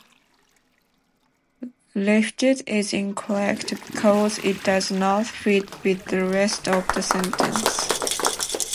"lifted" is incorrect because it does not fit with the rest of the sentence.